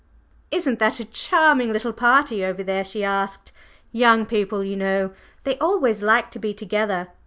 "Isn't that a charming little party over there?" she asked. "Young people, you know! They always like to be together!